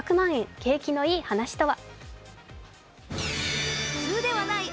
景気のいい話とは。